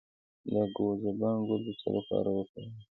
د ګاو زبان ګل د څه لپاره وکاروم؟